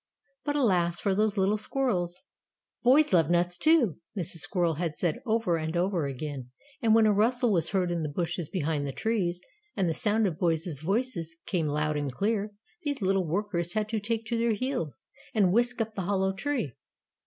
But alas for those little squirrels. "Boys love nuts, too," Mrs. Squirrel had said over and over again, and when a rustle was heard in the bushes behind the trees, and the sound of boys' voices came loud and clear, these little workers had to take to their heels, and whisk up the hollow tree.